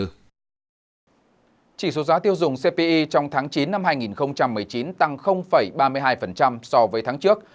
các tiêu dùng cpi trong tháng chín năm hai nghìn một mươi chín tăng ba mươi hai so với tháng trước